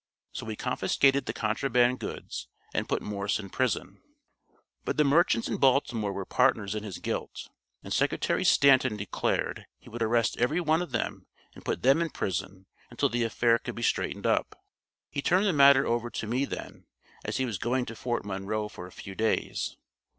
So we confiscated the contraband goods, and put Morse in prison. But the merchants in Baltimore were partners in his guilt, and Secretary Stanton declared he would arrest every one of them and put them in prison until the affair could be straightened up. He turned the matter over to me then, as he was going to Fort Monroe for a few days.